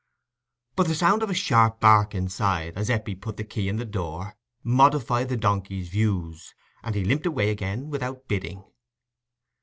But the sound of a sharp bark inside, as Eppie put the key in the door, modified the donkey's views, and he limped away again without bidding.